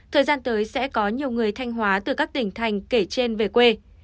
thời gian tới sẽ có nhiều người thanh hóa từ các tỉnh thành kể trên về quê